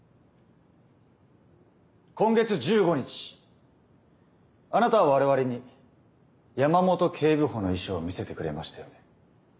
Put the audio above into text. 今月１５日あなたは我々に山本警部補の遺書を見せてくれましたよね。